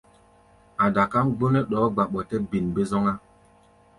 A̧ dakáʼm gbonɛ́ ɗɔɔ́ gba ɓɔtɛ́-bin-bé-zɔ́ŋá.